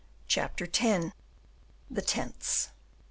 Chapter X. The Tents.